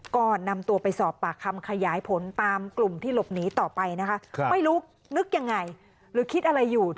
ก็นำตัวไปสอบปากคำขยายผลตามกลุ่มที่หลบหนีต่อไปนะคะ